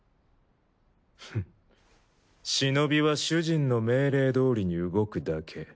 フンッ忍は主人の命令どおりに動くだけ。